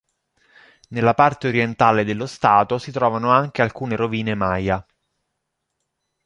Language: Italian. Nella parte orientale dello Stato si trovano anche alcune rovine Maya.